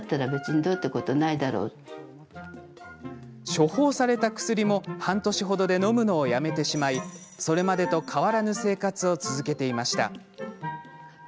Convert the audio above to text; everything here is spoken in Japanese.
処方された薬も、半年程でのむのをやめてしまいそれまでと変わらぬ生活を続けていました。